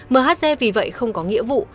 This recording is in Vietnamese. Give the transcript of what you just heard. mhg vì vậy không có nghĩa vụ